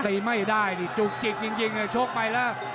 ไม่ได้นี่จุกจิกจริงชกไปแล้ว